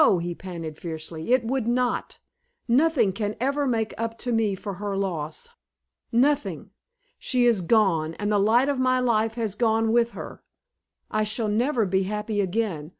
he panted, fiercely; "it would not! Nothing can ever make up to me for her loss nothing! She is gone, and the light of my life has gone with her. I shall never be happy again.